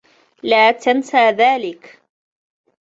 لا تنس ذلك.